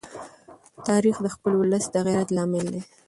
تاریخ د خپل ولس د غیرت لامل دی.